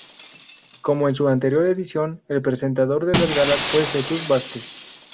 Como en su anterior edición, el presentador de las galas fue Jesús Vázquez.